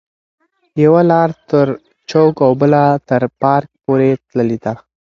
یوه لار تر چوک او بله تر پارک پورې تللې ده.